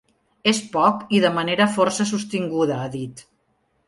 “És poc i de manera força sostinguda”, ha dit.